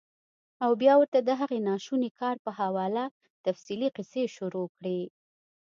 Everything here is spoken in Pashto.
او بيا ورته د هغې ناشوني کار پۀ حواله تفصيلي قيصې شورو کړي -